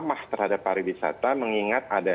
yang diatur juga ada